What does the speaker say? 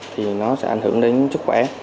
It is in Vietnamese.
thì nó sẽ ảnh hưởng đến sức khỏe